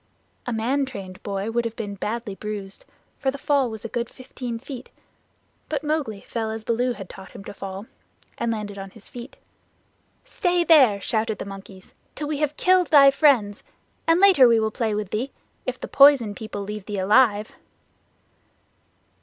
A man trained boy would have been badly bruised, for the fall was a good fifteen feet, but Mowgli fell as Baloo had taught him to fall, and landed on his feet. "Stay there," shouted the monkeys, "till we have killed thy friends, and later we will play with thee if the Poison People leave thee alive."